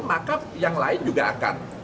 maka yang lain juga akan